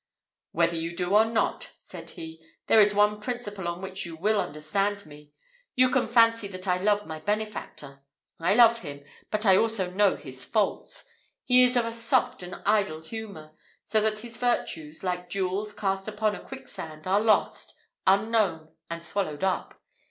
"Whether you do or not," said he, "there is one principle on which you will understand me. You can fancy that I love my benefactor. I love him; but I also know his faults. He is of a soft and idle humour, so that his virtues, like jewels cast upon a quicksand, are lost, unknown, and swallowed up.